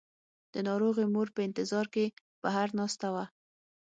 د ناروغې مور په انتظار کې بهر ناسته وه.